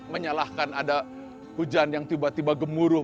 menyalahkan ada hujan yang tiba tiba gemuruh